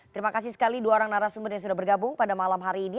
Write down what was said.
terima kasih sekali dua orang narasumber yang sudah bergabung pada malam hari ini